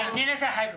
早く。